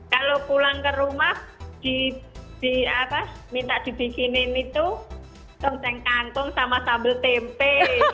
kalau pulang ke rumah minta dibikinin itu tongseng kantong sama sambal tempe